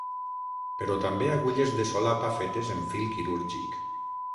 Però també agulles de solapa fetes en fil quirúrgic.